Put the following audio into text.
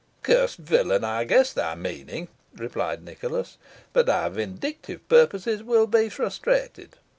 "Cursed villain! I guess thy meaning," replied Nicholas; "but thy vindictive purposes will be frustrated.